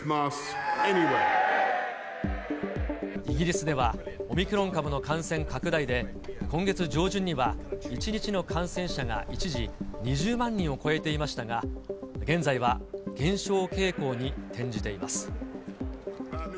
イギリスでは、オミクロン株の感染拡大で、今月上旬には１日の感染者が一時、２０万人を超えていましたが、現在は減少傾向に転じています。